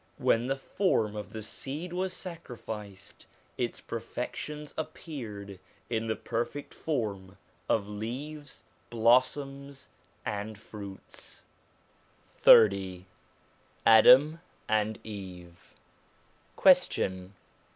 When the form of the seed was sacrificed, its perfections appeared in the perfect form of leaves, blossoms, and fruits. XXX ADAM AND EVE Question.